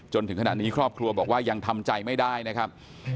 จนถึงขณะนี้ครอบครัวบอกว่ายังทำใจไม่ได้นะครับ